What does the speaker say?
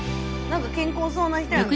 何か健康そうな人やん。